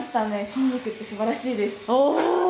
筋肉ってすばらしいです。